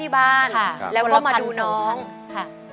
เป็นคนละพันยาสงคราม